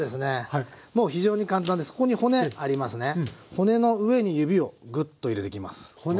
骨の上に指をグッと入れていきます。